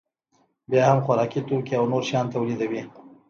بیا هم خوراکي توکي او نور شیان تولیدوي